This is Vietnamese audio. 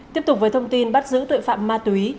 tiếp tục với thông tin bắt giữ tội phạm ma túy